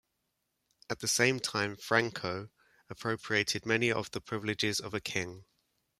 At the same time, Franco appropriated many of the privileges of a king.